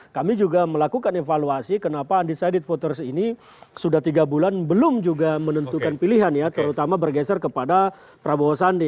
kami juga melakukan evaluasi kenapa undecided voters ini sudah tiga bulan belum juga menentukan pilihan ya terutama bergeser kepada prabowo sandi